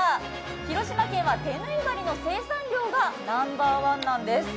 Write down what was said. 広島県は手縫い針の生産量がナンバーワンなんです。